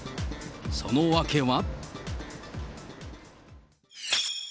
その訳は。